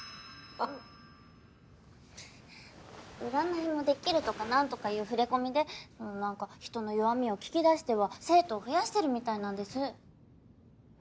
占いもできるとか何とかいう触れ込みでその何か人の弱みを聞き出しては生徒を増やしてるみたいなんです。